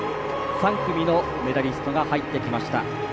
３組のメダリストが入ってきました。